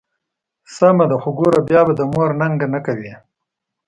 سمه ده، خو ګوره بیا به د مور ننګه نه کوې.